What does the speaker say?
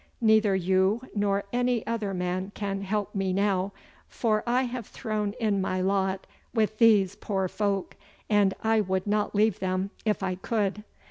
Neither you nor any other man can help me now, for I have thrown in my lot with these poor folk, and I would not leave them if I could.